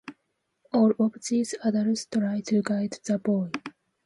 All of these adults try to guide the boy.